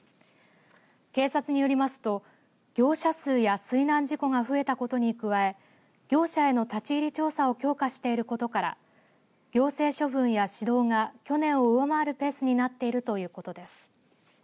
警察によりますと業者数や水難事故が増えたことに加え業者への立ち入り調査を強化していることから行政処分や指導が去年を上回るペースになっているということです。